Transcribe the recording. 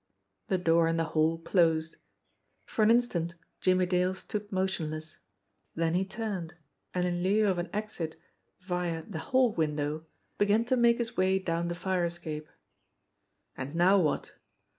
The door in the hall closed. For an instant Jimmie Dale stood motionless, then he turned, and, in lieu of an exit via the hall window, began to make his way down the fire escape. And now what